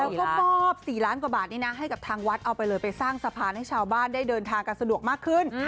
แล้วก็มอบ๔ล้านกว่าบาทนี้นะให้กับทางวัดเอาไปเลยไปสร้างสะพานให้ชาวบ้านได้เดินทางกันสะดวกมากขึ้น